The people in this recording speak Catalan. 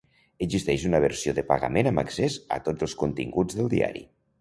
Existeix una versió de pagament amb accés a tots els continguts del diari.